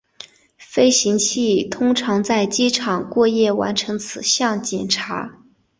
飞行器通常在机场过夜完成此项检查。